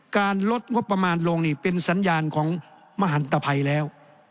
ลดงบประมาณลงนี่เป็นสัญญาณของมหันตภัยแล้ว